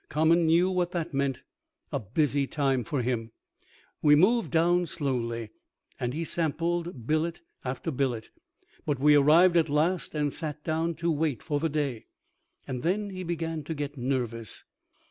Common knew what that meant, a busy time for him. We moved down slowly, and he sampled billet after billet, but we arrived at last and sat down to wait for the day. And then he began to get nervous.